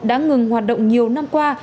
đã ngừng hoạt động nhiều năm qua